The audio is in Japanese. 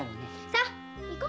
さあ行こ！